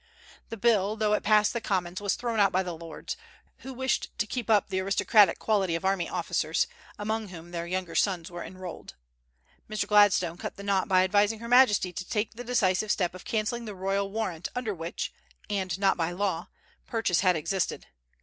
The bill, though it passed the Commons, was thrown out by the Lords, who wished to keep up the aristocratic quality of army officers, among whom their younger sons were enrolled. Mr. Gladstone cut the knot by advising her Majesty to take the decisive step of cancelling the royal warrant under which and not by law purchase had existed.